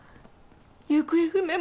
行方不明